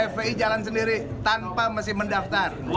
fpi jalan sendiri tanpa mesti mendaftar